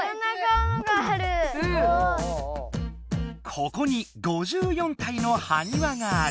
ここに５４体のはにわがある。